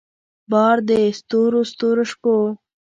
بار د ستورو ستورو شپو